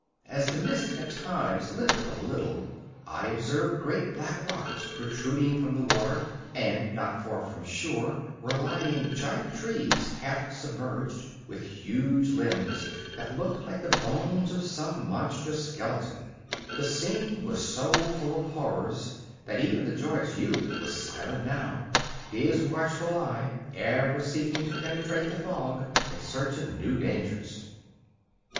As the mist at times lifted a little, I observed great black rocks protruding from the water, and not far from shore were lying giant trees half submerged, with huge limbs that looked like the bones of some monstrous skeleton. The scene was so full of horrors that even the joyous youth was silent now, his watchful eye ever seeking to penetrate the fog in search of new dangers.